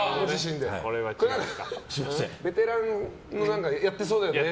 これはベテランの人がやってそうだよね。